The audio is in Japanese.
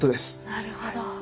なるほど。